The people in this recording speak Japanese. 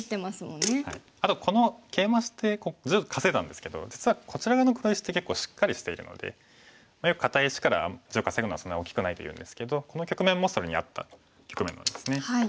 あとこのケイマして地を稼いだんですけど実はこちら側の黒石って結構しっかりしているのでよく堅い石から地を稼ぐのはそんなに大きくないというんですけどこの局面もそれに合った局面なんですね。